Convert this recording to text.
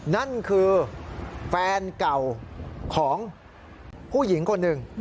นั่นคือแฟนเก่าของผู้หญิงคนหนึ่ง